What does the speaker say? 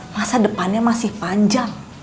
masa depannya masih panjang